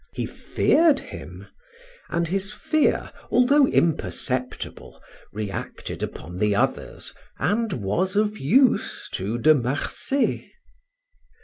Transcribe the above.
He feared him, and his fear, although imperceptible, reacted upon the others, and was of use to De Marsay.